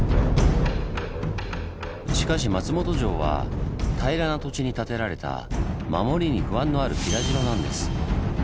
しかし松本城は平らな土地に建てられた守りに不安のある平城なんです。